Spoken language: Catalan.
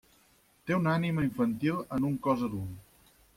Té una ànima infantil en un cos adult.